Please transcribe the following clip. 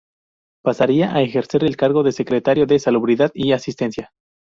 Pasaría a ejercer el cargo de Secretario de Salubridad y Asistencia.